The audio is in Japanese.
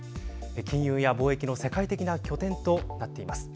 金融や貿易の世界的な拠点となっています。